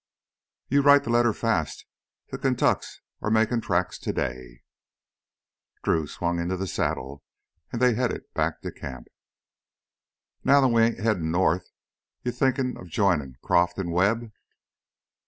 "You write the letter fast. The Kaintucks are makin' tracks today " Drew swung into the saddle, and they headed back to camp. "Now that we ain't headin' north, you thinkin' of joinin' Croff an' Webb?"